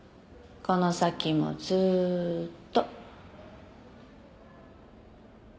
この先もずーっと。